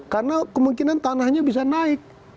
karena kemungkinan tanahnya bisa naik